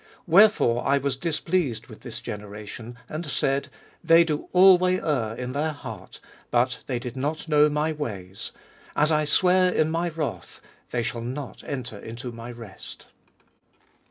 10. Wherefore I was displeased with this generation, And said, They do alway err in their heart: But they did not know my ways; 11. As I sware in my wrath, They shall not enter into my rest.